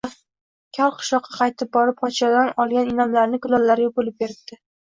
Kal qishloqqa qaytib borib, podshodan olgan in’omlarini kulollarga bo‘lib beribdi